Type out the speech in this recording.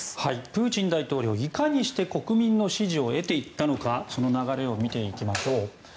プーチン大統領いかにして国民の支持を得ていったのかその流れを見ていきましょう。